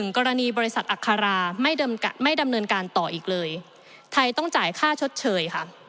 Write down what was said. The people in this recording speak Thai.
กรณีบริษัทอัคราไม่ดำเนินการต่ออีกเลยไทยต้องจ่ายค่าชดเชยค่ะ